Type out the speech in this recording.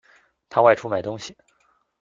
他外出买东西